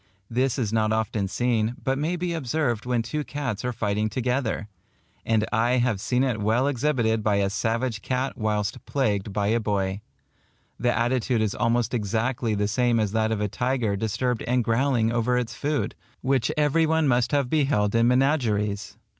This is not often seen, but may be observed when two cats are fighting together; and I have seen it well exhibited by a savage cat whilst plagued by a boy. The attitude is almost exactly the same as that of a tiger disturbed and growling over its food, which every one must have beheld in menageries.